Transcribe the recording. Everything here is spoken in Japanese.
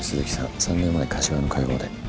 ３年前柏の会合で。